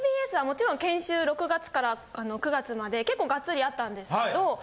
ＴＢＳはもちろん研修６月から９月まで結構がっつりあったんですけど